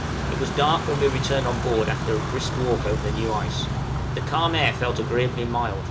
It was dark when we returned on board after a brisk walk over the new ice. The calm air felt agreeably mild.